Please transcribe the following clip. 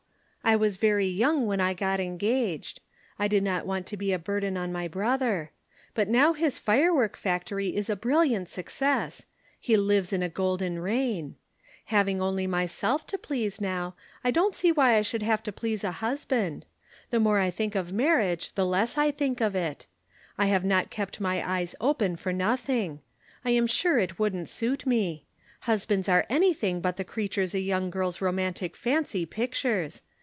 I was very young when I got engaged. I did not want to be a burden on my brother. But now his firework factory is a brilliant success. He lives in a golden rain. Having only myself to please now, I don't see why I should have to please a husband. The more I think of marriage the less I think of it. I have not kept my eyes open for nothing. I am sure it wouldn't suit me. Husbands are anything but the creatures a young girl's romantic fancy pictures.